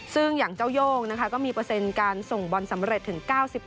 ซึ่งอย่างเจ้าโย่งนะคะก็มีเปอร์เซ็นต์การส่งบอลสำเร็จถึง๙๘